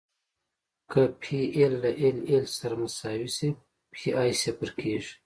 که پی ایل له ایل ایل سره مساوي شي پی ای صفر کیږي